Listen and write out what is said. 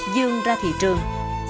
dương ra thị trường